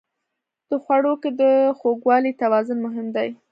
په خوړو کې د خوږوالي توازن مهم دی.